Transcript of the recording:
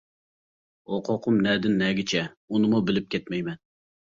ھوقۇقۇم نەدىن نەگىچە، ئۇنىمۇ بىلىپ كەتمەيمەن.